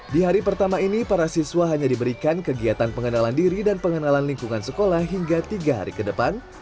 di hari pertama ini para siswa hanya diberikan kegiatan pengenalan diri dan pengenalan lingkungan sekolah hingga tiga hari ke depan